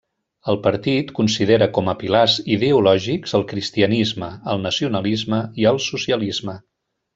El partit considera com a pilars ideològics el cristianisme, el nacionalisme i el socialisme.